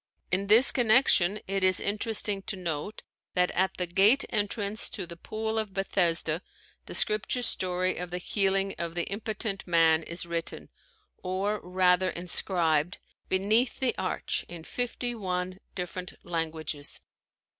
In this connection it is interesting to note that at the gate entrance to the Pool of Bethesda the scripture story of the healing of the impotent man is written, or rather inscribed, beneath the arch, in fifty one different languages.